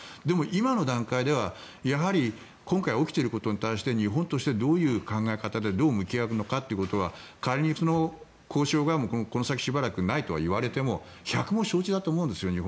でも今の段階では今回、起きていることに対して日本としてどういう考えでどう向き合うのかっていうことは仮に交渉がこの先しばらくないとは言われても百も承知だと思うんですよ。